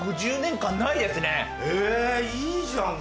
へぇいいじゃん